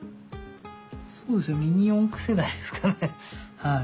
そうですねミニ四駆世代ですからねはい。